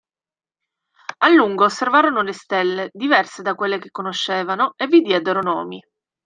A lungo osservarono le stelle, diverse da quelle che conoscevano, e vi diedero nomi.